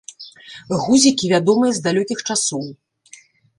Гузікі вядомыя з далёкіх часоў.